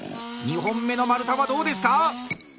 ２本目の丸太はどうですか？